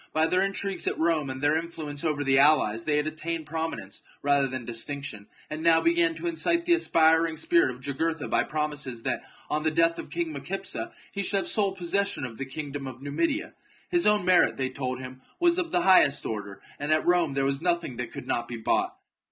By their intrigues at Rome, and their influence over the allies, they had attained prominence rather than distinction, and now began to incite the aspiring spirit of Jugurtha by promises that, on the death of King Micipsa, he should have sole possession of the kingdom of Numidia. His own merit, they told him, was of the highest order, and at Rome there was nothing that could not be bought.